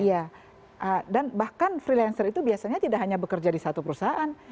iya dan bahkan freelancer itu biasanya tidak hanya bekerja di satu perusahaan